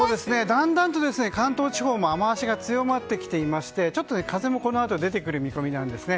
だんだんと関東地方も雨脚が強まってきていましてちょっと風もこのあと出てくる見込みなんです。